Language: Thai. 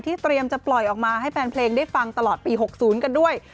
เตรียมจะปล่อยออกมาให้แฟนเพลงได้ฟังตลอดปี๖๐กันด้วย